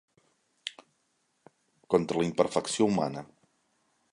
Contra la imperfecció humana.